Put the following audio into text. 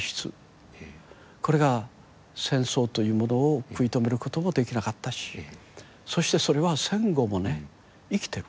これが戦争というものを食い止めることもできなかったしそしてそれは戦後もね生きてる。